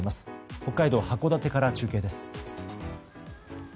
北海道函館から中継です。